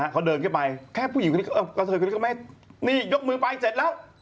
เขาเดินไปแค่ผู้เกอร์เตยคนนี้ก็ไม่นี่ยกมือไปเสร็จแล้ว